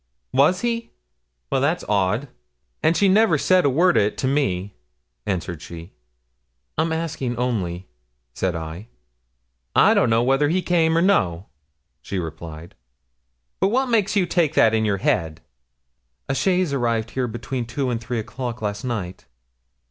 'Was he? Well, that's odd; and she said never a word o't to me,' answered she. 'I'm asking only,' said I. 'I don't know whether he came or no,' she replied; 'but what makes you take that in your head?' 'A chaise arrived here between two and three o'clock last night.'